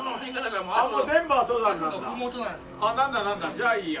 じゃあいいや。